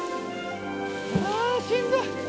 あぁしんどい。